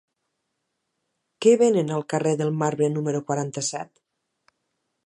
Què venen al carrer del Marbre número quaranta-set?